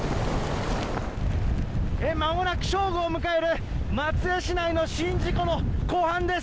まもなく正午を迎える、松江市内の宍道湖の湖畔です。